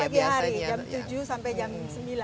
pagi hari jam tujuh sampai jam sembilan